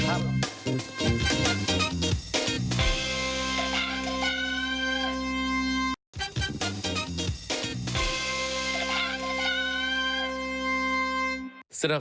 ครับ